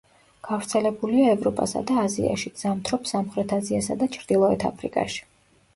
გავრცელებულია ევროპასა და აზიაში, ზამთრობს სამხრეთ აზიასა და ჩრდილოეთ აფრიკაში.